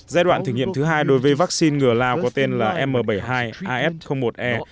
giai đoạn thử nghiệm thứ hai đối với vaccine ngừa lao có tên là m bảy mươi hai as một e